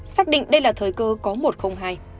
xác định đây là thời cơ có một không hai